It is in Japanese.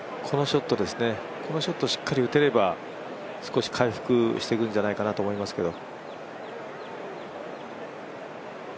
このショットしっかり打てれば少し回復してくるんじゃないかなと思いますけど。